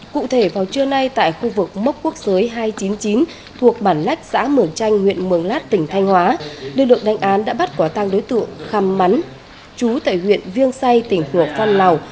cụ thể vào trưa nay tại khu vực mốc quốc giới hai trăm chín mươi chín thuộc bản lách xã mường chanh huyện mường lát tỉnh thanh hóa lực lượng đánh án đã bắt quả tăng đối tượng khăm mắn chú tại huyện viêng say tỉnh hồ phan lào